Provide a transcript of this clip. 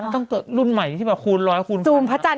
ต้องเกิดรุ่นใหม่ที่คูณร้อยคูณฟัน